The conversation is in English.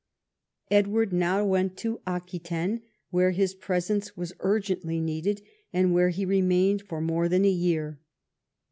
Edward noAv went to Aquitaine, where his presence was urgently needed, and where he remained for more than a year.